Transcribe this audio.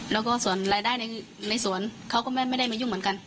แล้วก็ส่วนรายได้ในสวนเขาก็ไม่ได้มายุ่งเหมือนกัน